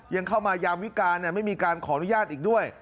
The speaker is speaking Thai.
ยังเข้ามายามวิการไม่มีการขออนุญาตอีกด้วย